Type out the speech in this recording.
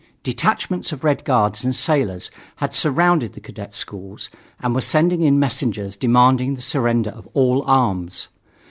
Detachments of Red Guards and sailors had surrounded the cadet schools and were sending in messengers demanding the surrender of all arms.